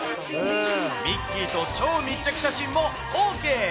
ミッキーと超密着写真もＯＫ。